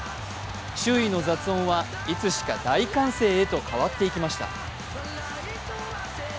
周囲の雑音はいつしか大歓声へと変わっていきました。